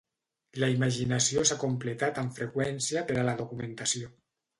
La imaginació s'ha completat amb freqüència per a la documentació.